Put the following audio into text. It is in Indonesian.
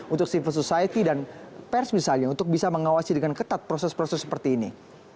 untuk civil society dan pers misalnya untuk bisa mengawasi dengan ketat proses proses seperti ini